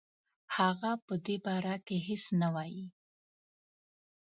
هغه په دې باره کې هیڅ نه وايي.